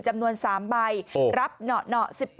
จำนวน๓ใบรับเหนาะ๑๘